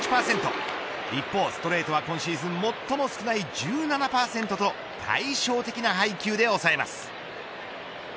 一方、ストレートは今シーズン最も少ない１７％と対照的な配球で抑えます。